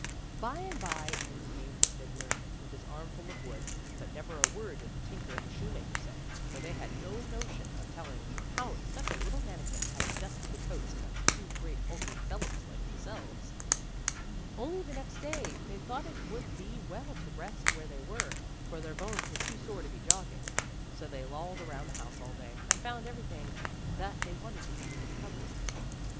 By and by in came the fiddler with his armful of wood, but never a word did the tinker and the shoemaker say, for they had no notion of telling how such a little manikin had dusted the coats of two g^reat hulking fellows like themselves ; only the next day they thought that it would be well to rest where they were, for their bones were too sore to be jogging. So they lolled around the house all day, and found everything that they wanted to eat in the cupboards.